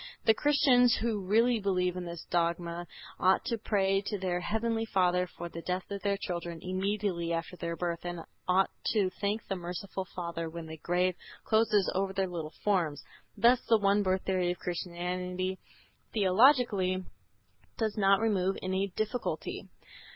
The Christians who really believe in this dogma ought to pray to their heavenly Father for the death of their children immediately after their birth and ought to thank the merciful Father when the grave closes over their little forms. Thus the one birth theory of Christian theology does not remove any difficulty.